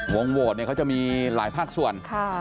โหวตเนี่ยเขาจะมีหลายภาคส่วน